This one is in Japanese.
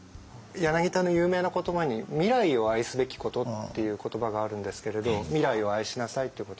柳田の有名な言葉に「未来を愛すべきこと」っていう言葉があるんですけれど未来を愛しなさいってこと。